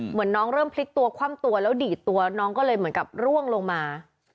เหมือนน้องเริ่มพลิกตัวคว่ำตัวแล้วดีดตัวน้องก็เลยเหมือนกับร่วงลงมา